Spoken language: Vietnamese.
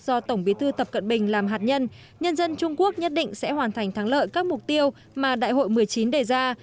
do tổng bí thư tập cận bình làm hạt nhân nhân dân trung quốc nhất định sẽ hoàn thành thắng lợi các mục tiêu mà đại hội một mươi chín đề ra